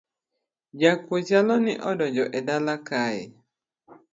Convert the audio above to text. Jakuo chalo ni odonjo e dala kae